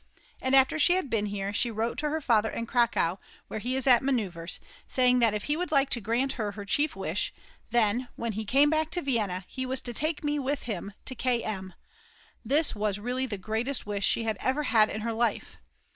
And after she had been here she wrote to her father in Cracow, where he is at manoeuvres, saying that if he would like to grant her her chief wish, then, when he came back to Vienna, he was to take me with him to K M ; this was really the greatest wish she had ever had in her life!